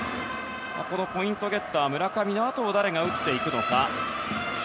ポイントゲッター村上のあとを誰が打っていくのか。